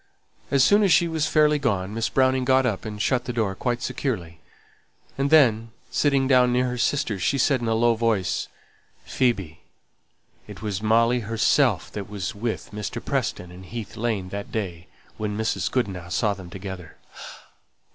As soon as she was fairly gone, Miss Browning got up and shut the door quite securely, and then sitting down near her sister, she said, in a low voice, "Phoebe, it was Molly herself that was with Mr. Preston in Heath Lane that day when Mrs. Goodenough saw them together!"